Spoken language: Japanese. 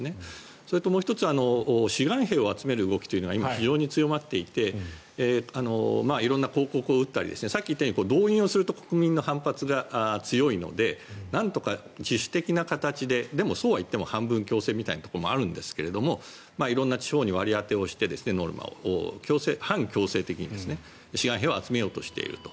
それと、もう１つ志願兵を集める動きというのが今、非常に強まっていて色んな広告を打ったりさっき言ったように動員すると国民の反発が強いのでなんとか自主的な形ででも、そうはいっても半分強制みたいな形ではあるんですが色んな地方にノルマを割り当てをして半強制的に志願兵を集めようとしていると。